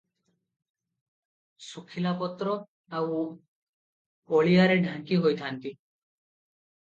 ଶୁଖିଲାପତ୍ର ଆଉ ଅଳିଆରେ ଢାଙ୍କି ହୋଇଥାନ୍ତି ।